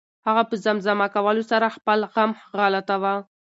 هغه په زمزمه کولو سره خپل غم غلطاوه.